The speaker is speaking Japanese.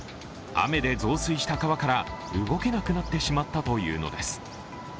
雨で増水した川から動けなくなってしまったというのです。